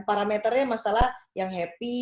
parameternya masalah yang happy